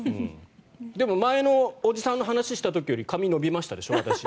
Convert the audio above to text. でも前のおじさんの話をした時より髪が伸びましたでしょ、私。